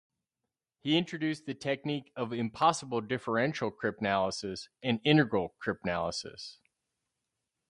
He introduced the technique of impossible differential cryptanalysis and integral cryptanalysis.